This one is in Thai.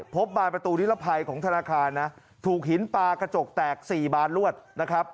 บานประตูนิรภัยของธนาคารนะถูกหินปลากระจกแตก๔บานลวดนะครับ